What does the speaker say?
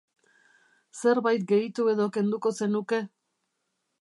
Zerbait gehitu edo kenduko zenuke?